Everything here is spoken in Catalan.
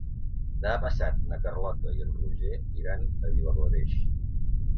Demà passat na Carlota i en Roger iran a Vilablareix.